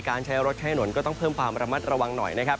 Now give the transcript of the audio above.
ใช้รถใช้ถนนก็ต้องเพิ่มความระมัดระวังหน่อยนะครับ